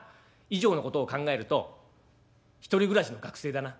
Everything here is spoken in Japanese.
以上のことを考えると１人暮らしの学生だな」。